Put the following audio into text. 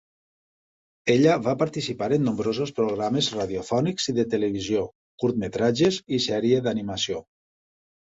Ella va participar en nombrosos programes radiofònics i de televisió, curtmetratges i sèrie d'animació.